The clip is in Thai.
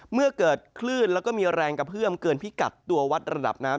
เมื่อเกิดคลื่นแล้วก็มีแรงกระเพื่อมเกินพิกัดตัววัดระดับน้ำ